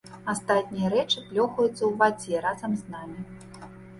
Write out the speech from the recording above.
Астатнія рэчы плёхаюцца ў вадзе разам з намі.